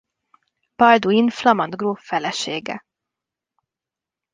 Balduin flamand gróf felesége.